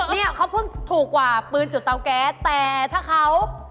เนี่ยเขาเพิ่งถูกกว่าปืนจุดเตาแก๊สแต่ถ้าเขา